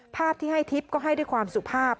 ภาพที่ให้ทิพย์ก็ให้ด้วยความสุภาพ